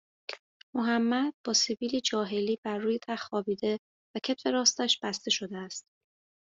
محمد با سبیلی جاهلی بر روی تخت خوابیده و کتف راستش بسته شده است